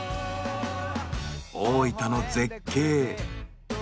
大分の絶景。